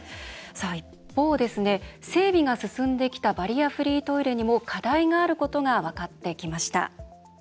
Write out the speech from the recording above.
一方、整備が進んできたバリアフリートイレにも課題があることが分かってきました。